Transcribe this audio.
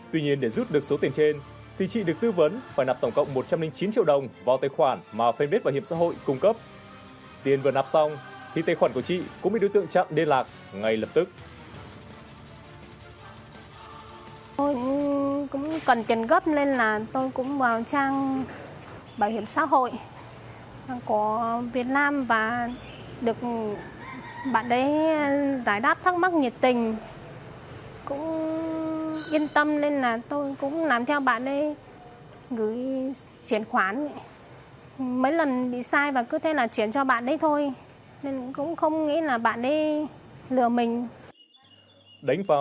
tuy nhiên để rút được số tiền trên thì chị được tư vấn phải nạp tổng cộng một trăm linh chín triệu đồng vào tài khoản mà fanpage bảo hiểm xã hội cung cấp